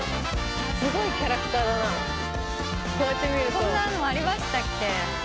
こんなのありましたっけ？